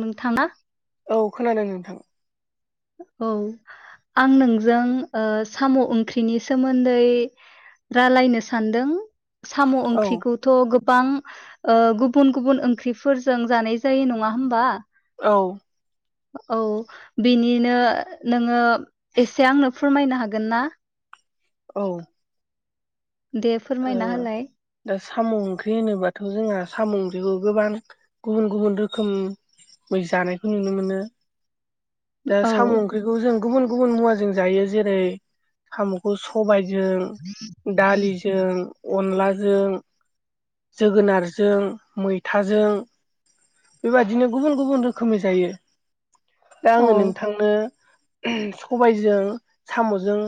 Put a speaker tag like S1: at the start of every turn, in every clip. S1: नोंथाङा
S2: औ खोनादों नोंथां।
S1: औ आं नोंजों ओ साम' ओंख्रिनि सोमोन्दै रायलायनो सानदों साम'
S2: औ
S1: ओंख्रिखौ थ' गोबां गुबुन गुबुन ओंख्रिफोरजों जानाय जायो नङा होमबा
S2: औ
S1: औ बिनिनो नोङो एसे आंनो फोरमायनो हागोन ना?
S2: औ
S1: दे फोरमायना
S2: ओ
S1: होलाय
S2: दा साम' ओंख्रि होनोबाथ' जोंहा साम' ओंख्रिखौ गोबां गुबुन गुबुन रोखोम मै जानायखौ नुनो मोनो। दा
S1: औ
S2: साम' ओंख्रिखौ जों गुबुन गुबुन मुवाजों जायो जेरै साम' खौ सबायजों दालिजों अनलाजों जोगोनारजों मैथाजों बेबादिनो गुबुन गुबुन रोखोमनि जायो। दा
S1: औ
S2: आङो नोंथांनो सबायजों साम'जों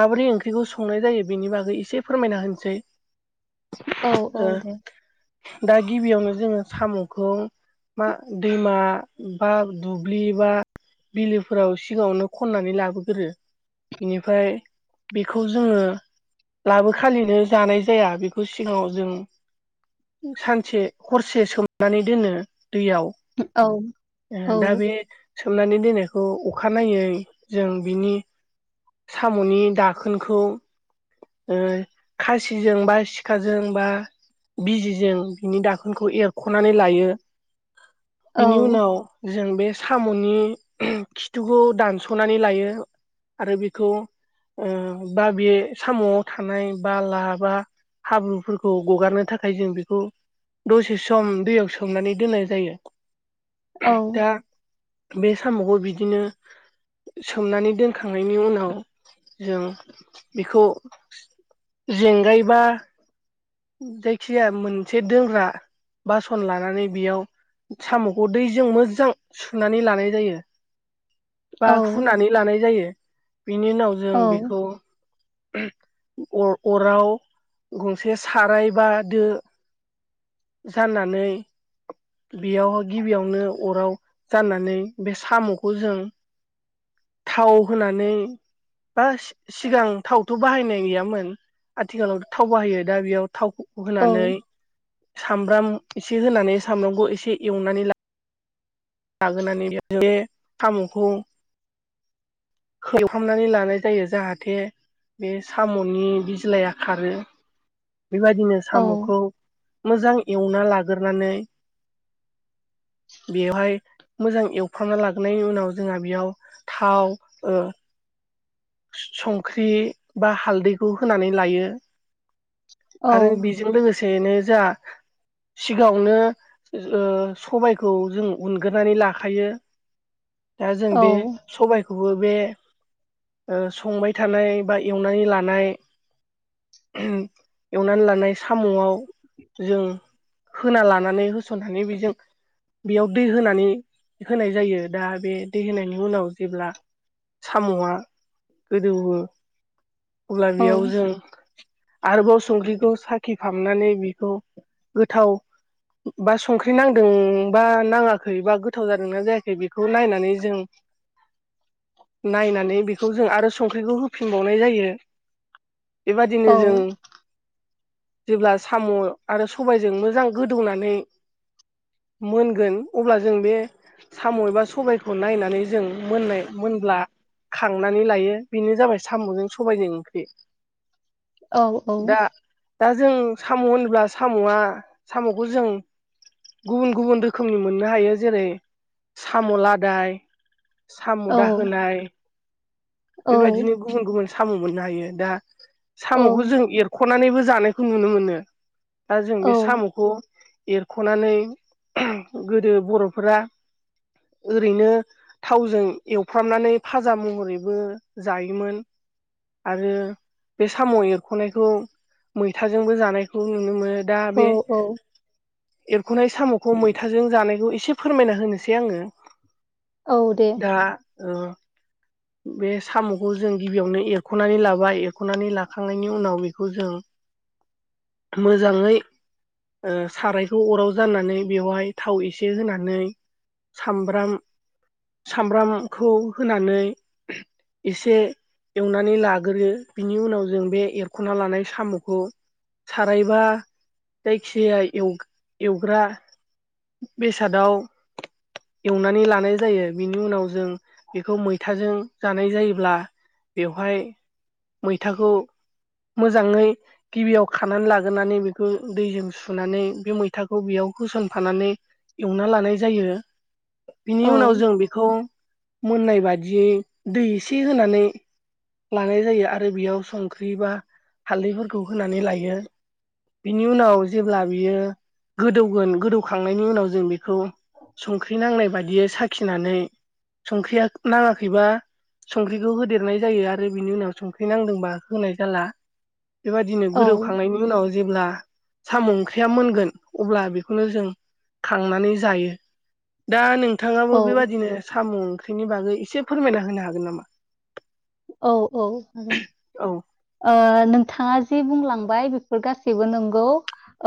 S2: माबोरै ओंख्रिखौ संनाय जायो बिनि बागै एसे फोरमायना होनोसै
S1: औ औ
S2: ओ
S1: दे
S2: दा गिबियावनो जोङो साम'खौ मा दैमा बा दुब्लि बा बिलोफोराव सिगाङावनो खननानै लाबोगोरो बेनिफ्राय बेखौ जोङो। लाबो खालिनो जानाय जाया बेखौ सिगाङाव जों। सानसे हरसे सोमनानै दोनो दैयाव।
S1: औ औ
S2: ए दा बे सोमनानै दोननायखौ अखानायै जों बिनि साम'नि दाखोनखौ ओ खासिजों बा सिखाजों बा बिजिजों बिनि दाखोनखौ एरख'नानै लायो
S1: औ
S2: बिनि उनाव जों बे साम'नि खिथुखौ दानस'नानै लायो। आरो बेखौ ओ बा बे साम'आव थानाय बाला बा हाब्रुफोरखौ ग'गारनो थाखाय जों बेखौ दसे सम दैयाव सोमनानै दोननाय जायो
S1: औ
S2: दा बे साम'खौ बिदिनो सोमनानै दोनखांनायनि उनाव जों बेखौ जेंगायबा जायखिया मोनसे दोनग्रा बासन लानानै बेयाव साम'खौ दैजों मोजां सुनानै लानाय जायो बा
S1: औ
S2: हुनानै लानाय जायो बेनि उनाव जों
S1: औ
S2: बेखौ अर अराव गंसे साराय बा दो जाननानै बेयाव गिबियावनो अराव जाननानै बे साम'खौ जों थाव होनानै बा सिगां थावथ' बाहायनाय गैयामोन आथिखालाव थाव बाहायो दा बेयाव थावफोरखौ
S1: औ
S2: होनानै सामब्राम एसे होनानै सामब्रामखौ एसे एवनानै ला लागोनानै [unintelligible] बे साम'खौ खोबहाबनानै लानाय जायो जाहाथे बे साम'नि बिज्लाया खारो बेबायदिनो
S1: औ
S2: साम'खौ मोजां एवना लागोरनानै बेवहाय मोजां एवफ्रामना लाग्रोनायनि उनाव जोंहा बेयाव थाव ओ संख्रि बा हालदैखौ होनानै लायो।
S1: औ
S2: आरो बेजों लोगोसेैनो जा। सिगाङावनो ओ सबायखौ जों उन गोनानै लाखायो दा जों बे सबायखौबो बे संबाय थानाय बा एवनानै लानाय एवनानै लानाय साम'आव जों होना लानानै होसोन होयनि बेजों बेयाव दै होनानै होनाय जायो दा बे दै होनायनि उनाव जेब्ला साम'आ गोदौयो अब्ला बेयाव जों
S1: औ
S2: आरोबाव संख्रिखौ साखिखांनानै बिखौ गोथाव बा संख्रि नांदोंबा नाङा हैबा गोथाव जादोंना जायाखै बेखौ नायनानै जों। नायनानै बेखौ जों आरो संख्रिखौ होफिनबावनाय जायो बेबादिनो जों जेब्ला साम' आरो सबायजों मोजां गोदौनानै मोनगोन अब्ला जों बे साम' एबा सबायखौ नायनानै जों मोननाय मोनब्ला खांनानै लायो बेनो जाबाय साम'जों सबायजों ओंख्रि।
S1: औ औ।
S2: दा दा जों साम' होनोब्ला साम'आ साम'खौ जों गुबुन गुबुन रोखोमनि मोननो हायो जेरै साम' लादाय, साम'
S1: औ
S2: दाहोनाय,
S1: औ
S2: बेबायदिनो गुबुन गुबुन साम' मोननो हायो दा
S1: औ
S2: साम'खौ जों एर ख'नानैबो जानायखौ नुनो मोनो। दा जों
S1: औ
S2: बे साम'खौ एर ख'नानै गोदो बर'फोरा ओरैनो थावजों एवफ्रामनानै फाजा महरैबो जायोमोन। आरो बे साम' एरख'नायखौ मैथाजोंबो जानायखौ नुनो मोनो। दा
S1: औ
S2: बे
S1: औ
S2: एरख'नाय साम'खौ मै थाजों जानायखौ एसे फोरमायना होनोसै आङो।
S1: औ दे।
S2: दा ओ बे साम'खौ जों गिबियावनो एरख'नानै लाबाय एरख'नानै लाखांनायनि उनाव बेखौ जों मोजाङै ओ सारायखौ अराव जानानै बेवहाय थाव एसे होनानै सामब्राम सामब्रामखौ होनानै एसे एवनानै लाग्रोयो। बिनि उनाव जों बे एरख'ना लानाय साम'खौ साराय बा जायखि जाया एव-एवग्रा बेसादाव एवनानै लानाय जायो। बिनि उनाव जों बेखौ मैथाजों जानाय जायोब्ला बेवहाय मैथाखौ मोजाङै गिबियाव खानानै लागोनानै बेखौ दैजों सुनानै बे मैथाखौ बेयाव होस'न फानानै एवना लानाय जायो।
S1: औ
S2: बिनि उनाव जों बेखौ मोननाय बादियै दै एसे होनानै लानाय जायो आरो बेयाव संख्रि बा हालदैफोरखौ होनानै लायो। बिनि उनाव जेब्ला बियो गोदौगोन गोदौ खांनायनि उनाव जों बेखौ संख्रि नांनाय बायदियै साखिनानै संख्रिया नाङाखैबा संख्रिखौ होदेरनाय जायो आरो बिनि उनाव संख्रि नांदोंबा होनाय जाला। बेबादिनो
S1: औ
S2: गोदौखांनायनि उनाव जेब्ला साम' ओंख्रिया मोनगोन अब्ला बेखौनो जों खांनानै जायो। दा नोंथाङाबो
S1: औ
S2: बेबादिनो साम' ओंख्रिनि बागै एसे फोरमायना होनो हागोन नामा?
S1: औ औ हागोन।
S2: औ।
S1: ओ नोंथाङा जि बुंलांबाय बेफोर गासैबो नंगौ।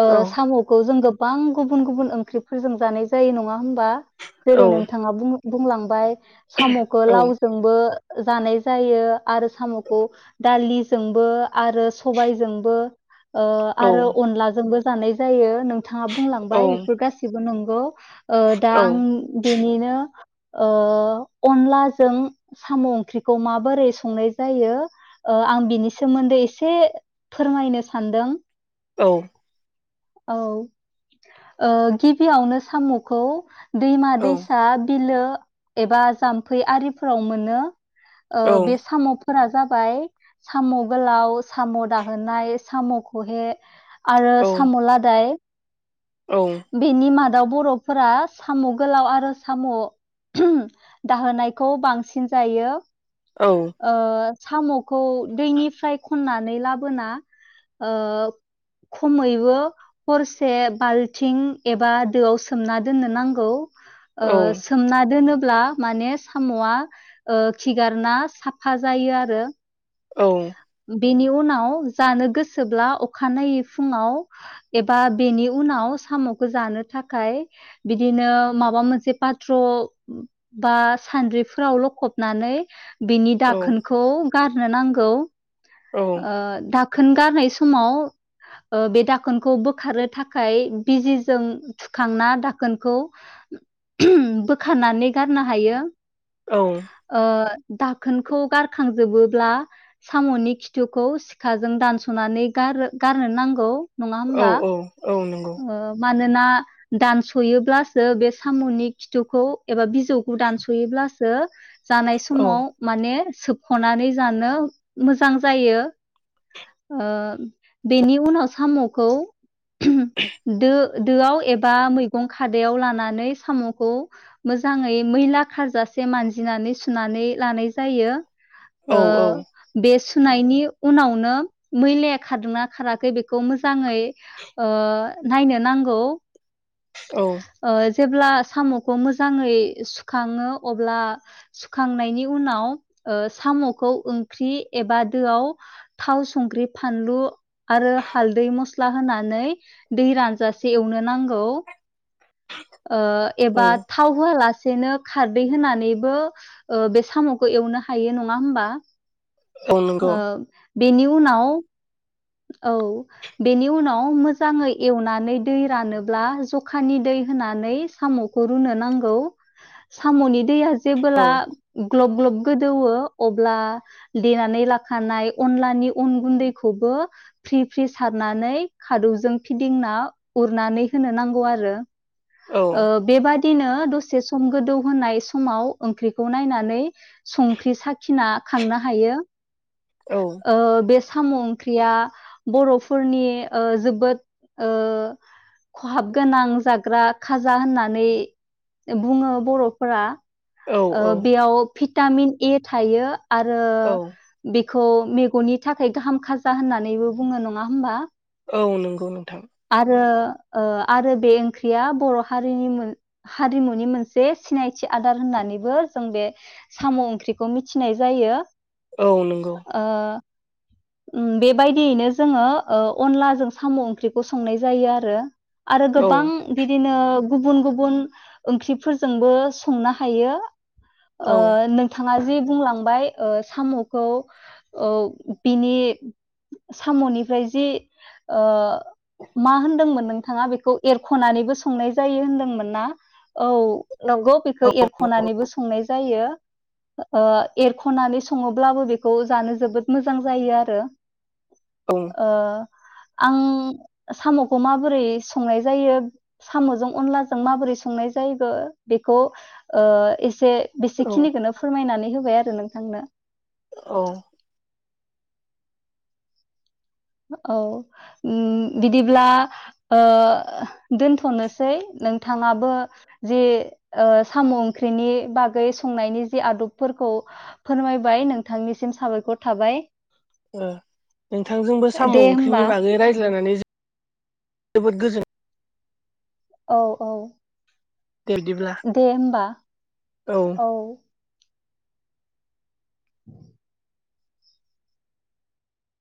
S1: ओ
S2: औ
S1: साम'खौ जों गोब बां गुबुन गुबुन ओंख्रिफोरजों जानाय जायो नङा होमबा? जेरै
S2: औ
S1: नोंथाङा बुङो बुंलांबाय साम'खौ
S2: औ
S1: लाव जोंबो जानाय जायो आरो साम'खौ दालि जोंबो आरो सबाय जोंबो ओ
S2: औ
S1: आरो अनला जोंबो जानाय जायो। नों थाङा बुंलांबाय
S2: औ
S1: बेफोर गासिबो नंगौ। ओ दा
S2: औ
S1: आं बेनिनो ओ अनलाजों साम' ओंख्रिखौ माबोरै संनाय जायो ओ आं बिनि सोमोन्दै एसे फोरमायनो सानदों।
S2: औ।
S1: औ। ओ गिबियावनो साम'खौ दैमा
S2: औ
S1: दैसा बिलो एबा जाम्फै आरिफोराव मोनो। ओ
S2: औ
S1: बे साम'फोरा जाबाय साम' गोलाव, साम' दाहोनाय, साम'खहे आरो साम' लादाय।
S2: औ।
S1: बेनि मादाव बर'फोरा साम' गोलाव आरो साम' दाहोनायखौ बांसिन जायो।
S2: औ।
S1: ओ साम'खौ दैनिफ्राय खननानै लाबोना ओ खमै बो हरसे बाल्थिं एबा दोआव सोमना दोननो नांगौ। ओ
S2: औ
S1: सोमना दोनोब्ला माने साम'आ ओ खिगारना साफा जायो आरो बेनि उनाव जानो गोसोब्ला अखानायै फुङाव एबा बेनि उनाव साम'खौ जानो थाखाय बिदिनो माबा मोनसे पाथ्र' बा सान्द्रिफोराव लखबनानै बिनि दाखोनखौ गारनो नांगौ
S2: औ
S1: खोन गारनाय समाव बे दाखोन दाखोनखौ बोखारनो थाखाय बिजिजों थुखांना दाखोनखौ बोखारनानै गारनो हायो
S2: औ
S1: दाखोनखौ गारखांजोबोब्ला साम'नि खिथुखौ सिखाजों दानस'नानै गार गारनो नांगौ नङा
S2: औ
S1: होमबा
S2: औ औ नंगौ
S1: मानोना दानस'योब्लासो बे साम'नि खिथुखौ एबा बिज खिथौखौ दानसयोब्लासो जानाय
S2: औ
S1: समाव माने सोबख'नानै जानो मोजां जायो बेनि उनाव साम'खौ दो दोआव एबा मैगं खादायाव लानानै साम'खौ मोजाङै मैला खारजासे मानजिनानै सुनानै लानाय जायो ओ
S2: औ औ
S1: बे सुनायनि उनावनो मैलाया खारदोंना खाराखै बेखौ मोजाङै नायनो नांगौ
S2: औ
S1: जेब्ला साम'खौ मोजाङै सुखाङो अब्ला सुखांनायनि उनाव साम'खौ ओंख्रि एबा दोआव थाव संख्रि फानलु आरो हालदै मस्ला होनानै दै रानजासे एवनो नांगौ एबा थाव होआलासेनो खारदै होनानैबो बे साम'खौ एवनो हायो नङा होमबा
S2: औ नंगौ
S1: बेनि उनाव औ बेनि उनाव मोजाङै एवनानै दै रानोब्ला जखानि दै होनानै साम' खौ रुनो नांगौ साम'नि दैया
S2: औ
S1: जेबोला ग्लब ग्लब गोदौओ अब्ला देनानै लाखानाय अनलानि अन गुन्दैखौबो फ्रि फ्रि सारनानै खादौजों फिदिंना उरनानै होनो नांगौ आरो
S2: औ
S1: ओ बेबादिनो दसे सम गोदौ होनाय समाव ओंख्रिखौ नायनानै संख्रि साखिना खांनो हायो
S2: औ
S1: बे साम' ओंख्रिया बर'फोरनि ओ जोबोद ओ खहाब गोनां जाग्रा खाजा होननानै बुङो बर'फोरा
S2: औ औ
S1: बेयाव भिटामिन ए थायो आरो
S2: औ
S1: बेखौ मेगननि थाखाय गाहाम खाजा होननानैबो बुङो नङा होमबा
S2: औ नंगौ नोंथां
S1: आरो आरो बे ओंख्रिया बर' हारिनि हारिमुनि मोनसे सिनायथि आदार होननानै बो जों बे साम' ओंख्रिखौ मिथिनाय जायो
S2: औ नंगौ।
S1: ओ उम बेबायदियैनो जोङो ओ अनलाजों साम' ओंख्रिखौ संनाय जायो आरो आरो
S2: औ
S1: गोबां बिदिनो गुबुन गुबुन ओंख्रिफोरजोंबो संनो हायो
S2: औ
S1: आ नों। नोंथाङा जि बुंलांबाय ओ साम'खौ ओ बिनि साम'निफ्राय जि ओ मा होन्दोंमोन नोंथाङा बेखौ एरख'नानैबो संनाय जायो होनदोंमोन ना औ नंगौ बेखौ एरख'नानैबो संनाय जायो ओ एरख'नानै सङोब्लाबो बेखौ जानो जोबोद मोजां जायो आरो
S2: औ
S1: ओ। आं साम'खौ माबोरै संनाय जायो - साम'जों अनलाजों माबोरै संनाय जायोबो बेखौ ओ से
S2: औ
S1: बेसेखिनिखौनो फोरमायनानै होबाय आरो नोंथांनो
S2: औ
S1: औ उम बिदिब्ला ओ दोनथ'नोसै नोंथांङाबो जि साम' ओंख्रिनि बागै संनायनि जि आदबफोरखौ फोरमायबाय नोंथांनिसिम साबायखर थाबाय
S2: ओ नोंथांजोंबो साम'
S1: दे
S2: ओंख्रिनि
S1: होमबा
S2: बागै रायज्लायनानै जोबोद गोजोन
S1: औ औ
S2: मोनबाय बिदिब्ला
S1: दे होनबा औ। [inaudible]